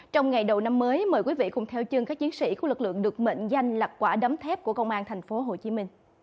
trong ngày đầu năm mới mời quý vị cùng theo chân các chiến sĩ của lực lượng được mệnh danh là quả đấm thép của công an tp hcm